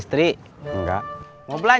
ini mind antara avoid